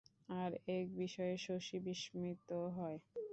আর এক বিষয়ে শশী বিস্মিত হয়!